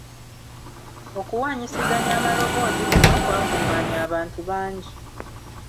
Okuwanyisiganya amaloboozi kuno kwakungaanya abantu bangi.